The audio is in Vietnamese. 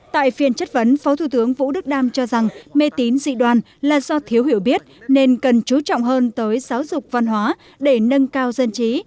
tại phiên chất vấn phó thủ tướng vũ đức đam cho rằng mê tín dị đoàn là do thiếu hiểu biết nên cần chú trọng hơn tới giáo dục văn hóa để nâng cao dân trí